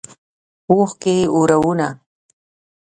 اوښکې اورونه